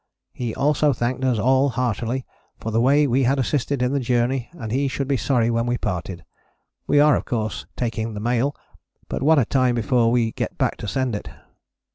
He also thanked us all heartily for the way we had assisted in the Journey and he should be sorry when we parted. We are of course taking the mail, but what a time before we get back to send it.